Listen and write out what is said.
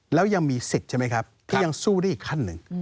แล้วยังมีสิทธิ์ใช่ไหมครับที่ยังสู้ได้อีกขั้นหนึ่ง